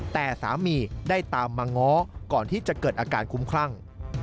แต่สามีได้ตามมาง้อก่อนที่จะเกิดอาการคุ้มคลั่ง